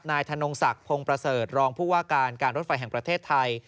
นายถนนกษักพงณ์เปล่า๓รองผู้ว่าการการรถไฟแห่งประเทศไทย